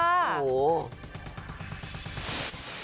โอ้โห